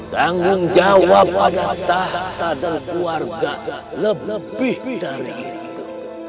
tanggung jawab pada tahta dan keluarga lebih dari itu